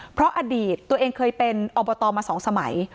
เพราะอดีตตัวเองเคยเป็นอบตมา๒สมัย